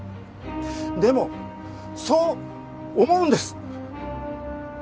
でもそう思うんです！